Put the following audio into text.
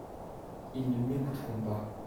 Ils ne m'écouteront pas.